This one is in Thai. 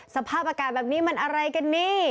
สภาพอากาศแบบนี้มันอะไรกันนี่